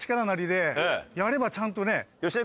やればちゃんとね。